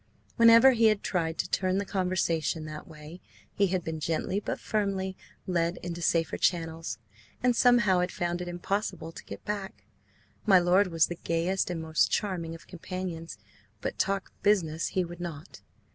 Whenever he had tried to turn the conversation that way he had been gently but firmly led into safer channels, and somehow had found it impossible to get back. My lord was the gayest and most charming of companions, but talk "business " he would not.